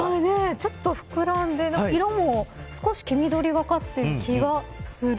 ちょっと膨らんで色も少し黄緑がかっている気がする。